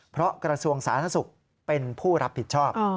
เพราะกระทรวงสาธารณสุขเป็นผู้รับผิดชอบ